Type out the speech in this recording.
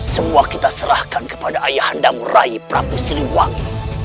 semua kita serahkan kepada ayahandam raih prabu siliwangi